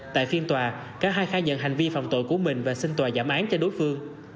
tại phiên tòa cả hai khai nhận hành vi phạm tội của mình và xin tòa giảm án cho đối phương